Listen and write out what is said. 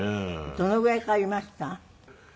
どのぐらい変わりました？